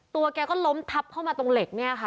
แกก็ล้มทับเข้ามาตรงเหล็กเนี่ยค่ะ